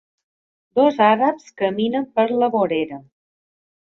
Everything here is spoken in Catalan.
Dos àrabs caminen per la vorera.